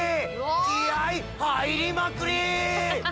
気合入りまくり！